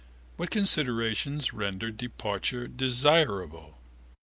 What considerations rendered departure desirable?